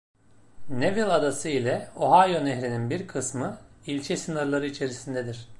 Neville Adası ile Ohio Nehri’nin bir kısmı ilçe sınırları içerisindedir.